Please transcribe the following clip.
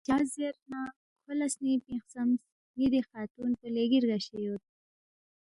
“ چا زیرنہ کھو لہ سنِنگ پِنگ خسمس، ”ن٘ی دِی خاتُون پو لیگی رگشے یود